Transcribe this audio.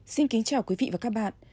xin kính chào quý vị và các bạn